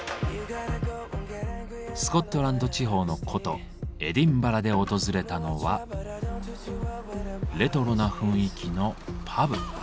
スコットランド地方の古都エディンバラで訪れたのはレトロな雰囲気のパブ。